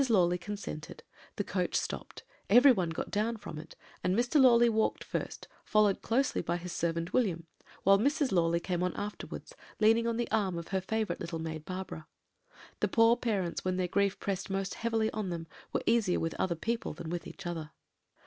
Lawley consented; the coach stopped, everyone got down from it, and Mr. Lawley walked first, followed closely by his servant William; whilst Mrs. Lawley came on afterwards, leaning on the arm of her favourite little maid Barbara. The poor parents, when their grief pressed most heavily on them, were easier with other people than with each other.